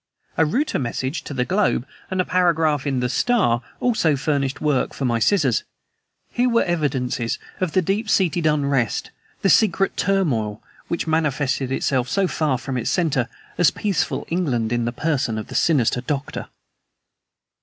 A Reuter message to The Globe and a paragraph in The Star also furnished work for my scissors. Here were evidences of the deep seated unrest, the secret turmoil, which manifested itself so far from its center as peaceful England in the person of the sinister Doctor.